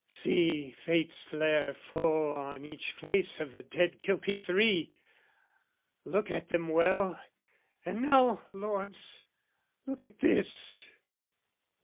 See fate's flare Full on each face of the dead guilty three! Look at them well, and now, lords, look at this!